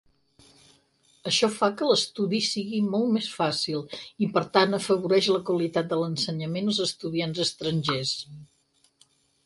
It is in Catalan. Això fa que l'estudi sigui molt més fàcil i, per tant, afavoreix la qualitat de l'ensenyament als estudiants estrangers.